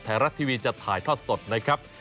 ไทยรัฐทีวีจะถ่ายทอดสดนะครับ